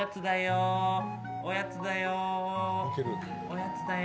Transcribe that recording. おやつだよ。